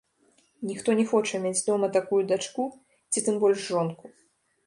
Ніхто не хоча мець дома такую дачку ці тым больш жонку.